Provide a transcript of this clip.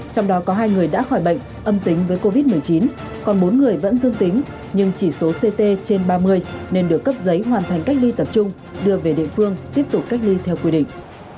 trong đó có hai người đã khỏi bệnh âm tính với covid một mươi chín còn bốn người vẫn dương tính nhưng chỉ số ct trên ba mươi nên được cấp giấy hoàn thành cách ly tập trung đưa về địa phương tiếp tục cách ly theo quy định